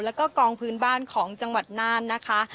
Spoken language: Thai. แล้วก็กองพื้นบ้านของจังหวัดน่านนะคะ